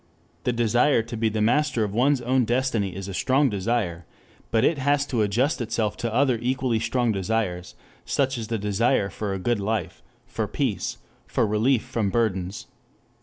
The desire to be the master of one's own destiny is a strong desire, but it has to adjust itself to other equally strong desires, such as the desire for a good life, for peace, for relief from burdens.